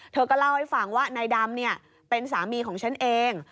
เธอก็เล่าให้ฟังว่านายดำเป็นสามีของฉันเอง